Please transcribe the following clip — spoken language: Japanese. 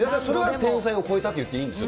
天才を超えたって言っていいんですよ。